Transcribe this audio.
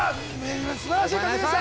すばらしい戦いでした